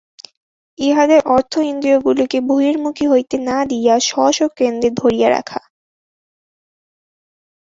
ইহাদের অর্থ ইন্দ্রিয়গুলিকে বহির্মুখী হইতে না দিয়া স্ব স্ব কেন্দ্রে ধরিয়া রাখা।